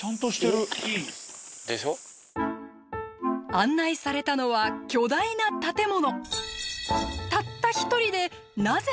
案内されたのは巨大な建物。